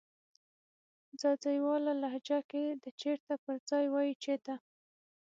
ځاځيواله لهجه کې د "چیرته" پر ځای وایې "چیته"